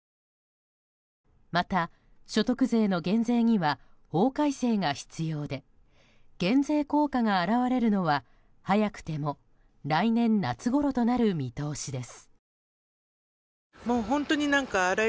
また、所得税の減税には法改正が必要で減税効果が現れるのは早くても来年夏ごろとなる見通しです。